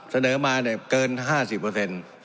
เสนอมาเนี่ยเกิน๕๐